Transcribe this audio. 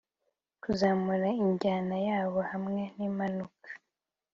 kuzamura injyana yabo hamwe nimpanuka